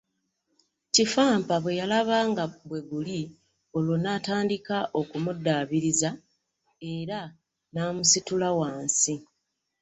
Kifampa bwe yalaba nga bwe guli olwo n'atandika okumuddaabiriza era n'amusitula wansi.